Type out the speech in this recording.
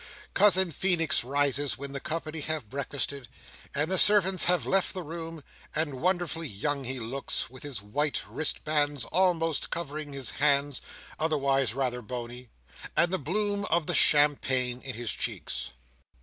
Cousin Feenix rises, when the company have breakfasted, and the servants have left the room; and wonderfully young he looks, with his white wristbands almost covering his hands (otherwise rather bony), and the bloom of the champagne in his cheeks.